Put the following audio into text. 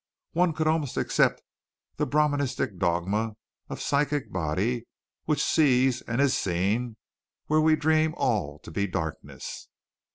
One could almost accept the Brahmanistic dogma of a psychic body which sees and is seen where we dream all to be darkness.